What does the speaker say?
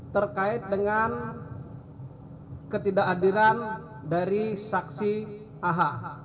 terkait dengan ketidakhadiran dari saksi ah